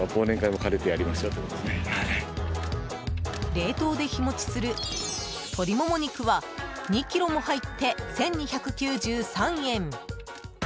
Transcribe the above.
冷凍で日持ちする鶏もも肉は２ｋｇも入って、１２９３円。